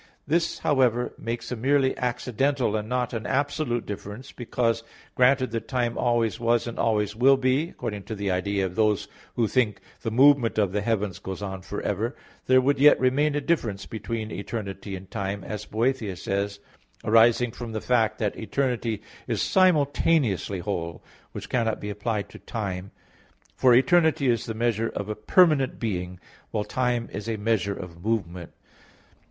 This, however, makes a merely accidental, and not an absolute difference because, granted that time always was and always will be, according to the idea of those who think the movement of the heavens goes on for ever, there would yet remain a difference between eternity and time, as Boethius says (De Consol. v), arising from the fact that eternity is simultaneously whole; which cannot be applied to time: for eternity is the measure of a permanent being; while time is a measure of movement.